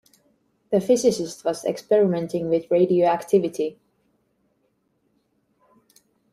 The physicist was experimenting with radioactivity.